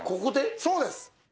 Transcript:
そうです。